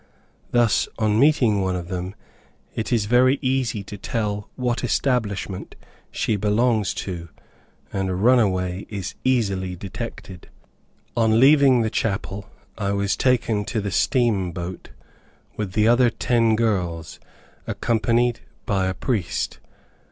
Thus, on meeting one of them, it is very easy to tell what establishment she belongs to, and a run away is easily detected. On leaving the chapel, I was taken to the steamboat, with the other ten girls, accompanied by a priest.